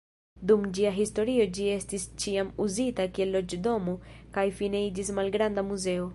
Dum ĝia historio ĝi estis ĉiam uzita kiel loĝdomo kaj fine iĝis malgranda muzeo.